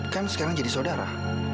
kan sekarang jadi saudara